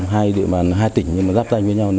hai địa bàn hai tỉnh giáp danh với nhau